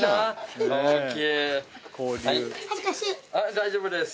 大丈夫です。